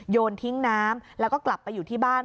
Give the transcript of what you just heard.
โยนทิ้งน้ำแล้วก็กลับไปอยู่ที่บ้าน